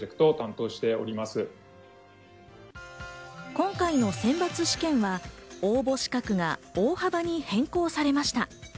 今回の選抜試験は応募資格が大幅に変更されました。